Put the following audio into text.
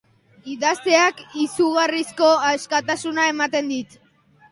Idazteak izugarrizko askatasuna ematen dit.